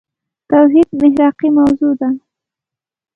توحيد محراقي موضوع ده.